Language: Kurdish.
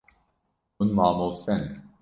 Hûn mamoste ne.